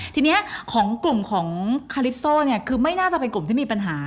ทีนี้ของกลุ่มของคาลิปโซเนี่ยคือไม่น่าจะเป็นกลุ่มที่มีปัญหา